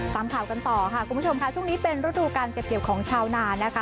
ตามข่าวกันต่อค่ะคุณผู้ชมค่ะช่วงนี้เป็นฤดูการเก็บเกี่ยวของชาวนานะคะ